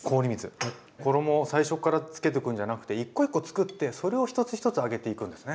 衣を最初からつけとくんじゃなくて１コ１コ作ってそれを１つ１つ揚げていくんですね。